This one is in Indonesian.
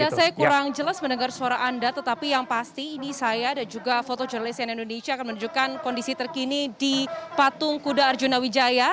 ya saya kurang jelas mendengar suara anda tetapi yang pasti ini saya dan juga foto jurnalis yang indonesia akan menunjukkan kondisi terkini di patung kuda arjuna wijaya